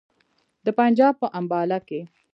د پنجاب په امباله کې.